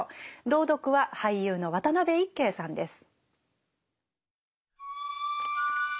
朗読は俳優の渡辺いっけいさんです。